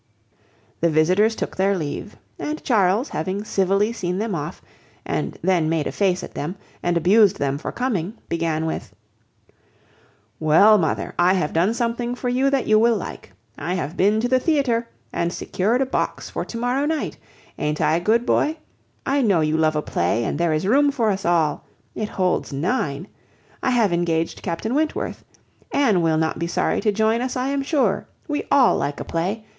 The visitors took their leave; and Charles, having civilly seen them off, and then made a face at them, and abused them for coming, began with— "Well, mother, I have done something for you that you will like. I have been to the theatre, and secured a box for to morrow night. A'n't I a good boy? I know you love a play; and there is room for us all. It holds nine. I have engaged Captain Wentworth. Anne will not be sorry to join us, I am sure. We all like a play.